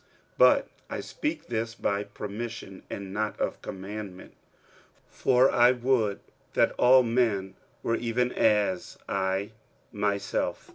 46:007:006 But I speak this by permission, and not of commandment. 46:007:007 For I would that all men were even as I myself.